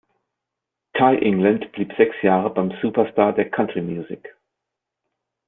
Ty England blieb sechs Jahre beim Superstar der Country-Musik.